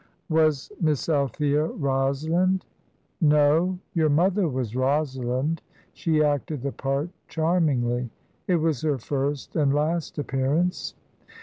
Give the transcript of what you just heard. "Was Miss Althea Rosalind?" "No, your mother was Rosalind. She acted the part charmingly; it was her first and last appearance.